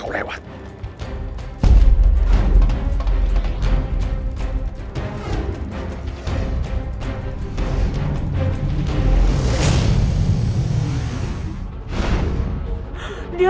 kita akibat kondisi